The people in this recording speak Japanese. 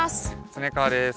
恒川です。